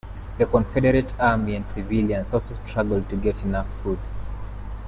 The Confederate Army and civilians also struggled to get enough food.